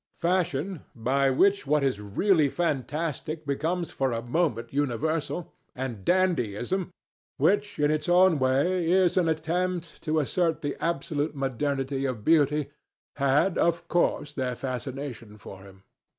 Fashion, by which what is really fantastic becomes for a moment universal, and dandyism, which, in its own way, is an attempt to assert the absolute modernity of beauty, had, of course, their fascination for him.